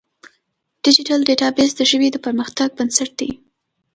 ډیجیټل ډیټابیس د ژبې د پرمختګ بنسټ دی.